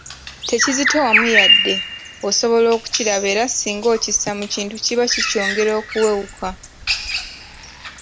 "Tekizitowamu yadde, osobola okukiraba era nga singa okissa mu kintu kiba kikyongera okuwewuka."